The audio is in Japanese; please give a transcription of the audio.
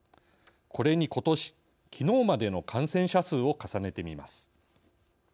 これに、ことし、きのうまでの感染者数を重ねてみます。